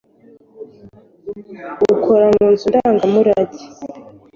ukora mu nzu ndangamurage